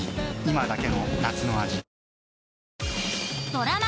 今だけの夏の味